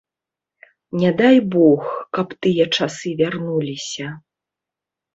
Не дай бог, каб тыя часы вярнуліся.